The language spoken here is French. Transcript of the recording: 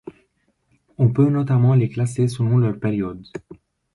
On peut notamment les classer selon leurs périodes.